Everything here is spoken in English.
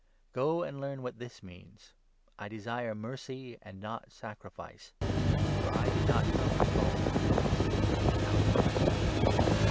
Go and learn what this means — 13 ' I desire mercy, and not sacrifice '; for I did not come to call the religious, but the outcast."